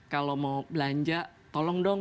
kalau mau belanja tolong dong